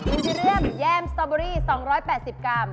อุ่นที่เลือกแย่มสตรอเบอร์รี่๒๘๐กรัม